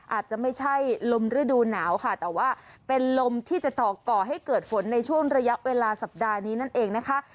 อาจจะไม่ใช่ลมฤดูหนาวค่ะแต่ว่าเป็นลมที่จะต่อก่อให้เกิดฝนในช่วงระยะเวลาสัปดาห์นี้นั่นเองนะคะ